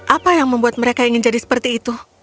apa yang membuat mereka ingin jadi seperti itu